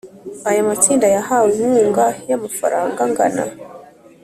Aya matsinda yahawe inkunga y amafaranga angana